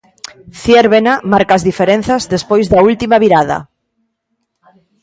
Ziérbena marca as diferenzas despois da última virada.